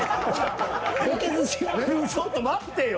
ちょっと待ってよ。